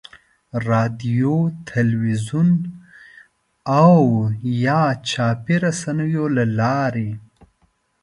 رادیو، تلویزیون او یا چاپي رسنیو له لارې.